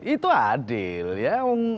itu adil ya